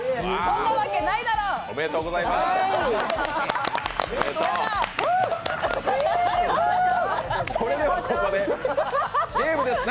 そんなわけないだろう！おめでとうございます。